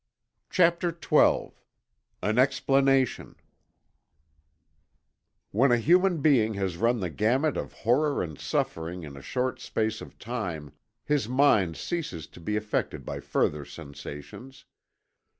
CHAPTER XII AN EXPLANATION When a human being has run the gamut of horror and suffering in a short space of time his mind ceases to be affected by further sensations.